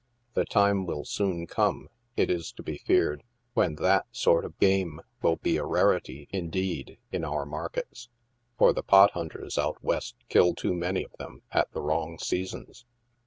The time will soon come, it is to be feared, when that sort of game will be a rarity, indeed, in our markets, for the pot hunters out West kill too many of them, and at wrong seasons.